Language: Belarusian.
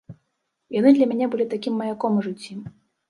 Яны для мяне былі такім маяком у жыцці.